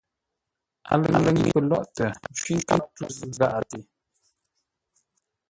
A lə ŋə̂i pəlóghʼtə ə́ ncwí nkâp tû zʉ́ gháʼate.